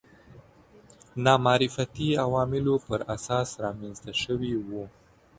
نامعرفتي عواملو پر اساس رامنځته شوي وو